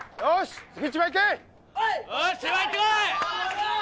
よし千葉行ってこい！